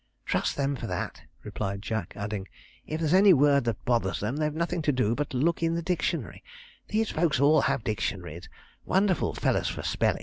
'Trust them for that,' replied Jack, adding, 'If there's any word that bothers them, they've nothing to do but look in the dictionary these folks all have dictionaries, wonderful fellows for spellin'.'